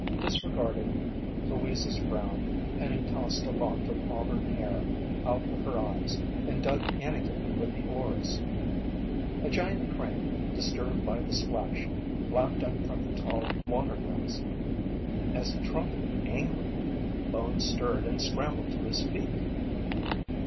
Disregarding Louise's frown, Penny tossed a lock of auburn hair out of her eyes, and dug in again with the oars. A giant crane, disturbed by the splash, flapped up from the tall water grass. As he trumpeted angrily, Bones stirred and scrambled to his feet.